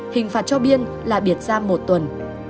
hình phạt cho biên là biệt giam một tuần